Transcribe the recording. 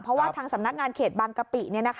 เพราะว่าทางสำนักงานเขตบางกะปิ